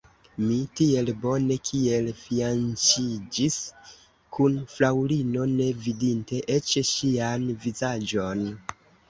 Mi tiel bone kiel fianĉiĝis kun fraŭlino, ne vidinte eĉ ŝian vizaĝon.